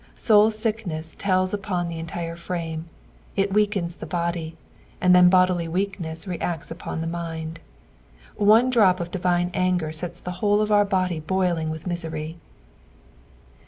Boul aickneea teila upon the entire frame ; it weakens the body, and then Iwdily weakness reacts upon the mind. One drop of divine anger acts the whole of our blood boiling with misery.